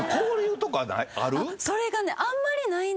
それがね。